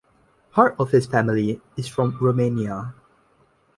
Part of his family is from Romania.